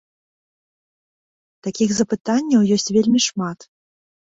Такіх запытанняў ёсць вельмі шмат.